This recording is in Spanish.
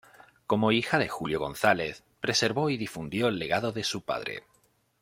Como hija de Julio González preservó y difundió el legado de su padre.